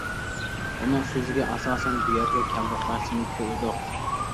ئۇنىڭ سۆزىگە ئاساسەن بۇ يەرگە كەلدۇق ۋە سېنى كۆردۇق.